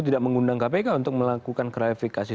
tidak mengundang kpk untuk melakukan klarifikasi